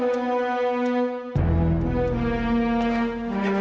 aku gak tau aku gak tau